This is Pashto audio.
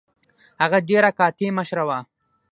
هغه ډیره قاطع مشره وه.